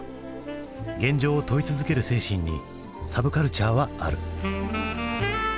現状を問い続ける精神にサブカルチャーはある。